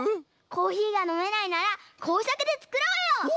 コーヒーがのめないならこうさくでつくろうよ！